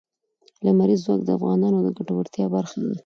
لمریز ځواک د افغانانو د ګټورتیا برخه ده.